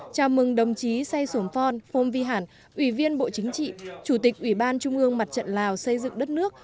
chào mừng đồng chí say suom phon phom vi hản ủy viên bộ chính trị chủ tịch ủy ban trung ương mặt trận lào xây dựng đất nước